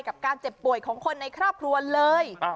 กับการเจ็บป่วยของคนในครอบครัวเลย